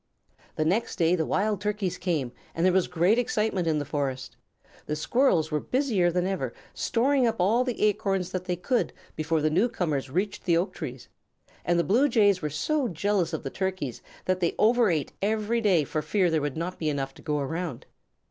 The next day the Wild Turkeys came and there was great excitement in the forest. The Squirrels were busier than ever storing up all the acorns that they could before the newcomers reached the oak trees; and the Blue Jays were so jealous of the Turkeys that they overate every day for fear there would not be enough to go around.